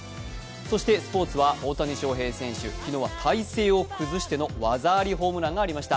そしてスポーツは大谷翔平選手、昨日は体勢を崩しての技ありホームランがありました。